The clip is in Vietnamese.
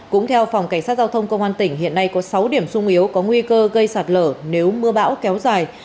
cũng theo phòng cảnh sát giao thông công an tỉnh hiện nay có sáu điểm sung yếu có nguy cơ gây sạt lở nếu mưa bão kéo dài